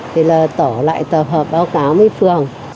thì là tổ lại tập hợp báo cáo với phường